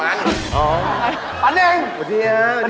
อันนึงป๊า